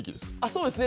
そうですね。